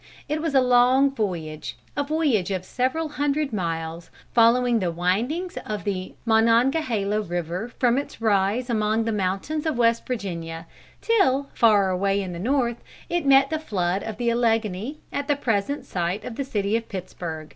It was a long voyage, a voyage of several hundred miles, following the windings of the Monongahela river from its rise among the mountains of Western Virginia till, far away in the north, it met the flood of the Alleghany, at the present site of the city of Pittsburg.